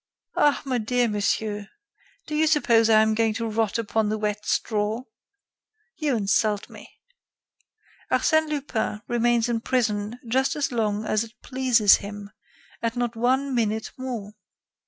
"Ah! my dear monsieur, do you suppose I am going to rot upon the wet straw? You insult me. Arsène Lupin remains in prison just as long as it pleases him, and not one minute more."